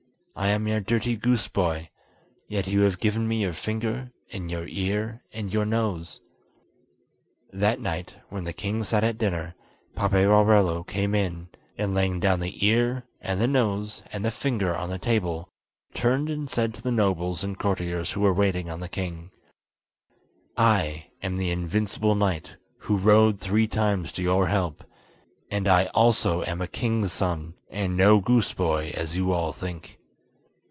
I am your dirty goose boy, yet you have given me your finger, and your ear, and your nose." That night, when the king sat at dinner, Paperarello came in, and laying down the ear, and the nose, and the finger on the table, turned and said to the nobles and courtiers who were waiting on the king: "I am the invincible knight, who rode three times to your help, and I also am a king's son, and no goose boy as you all think."